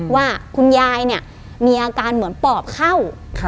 ว่าคุณยายเนี่ยมีอาการเหมือนปอบเข้า